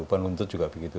penuntut juga begitu